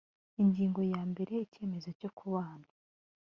ingingo ya mbere icyemezo cyo kubana